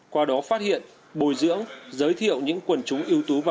qua đó phát hiện bồi dưỡng giới thiệu những quần trọng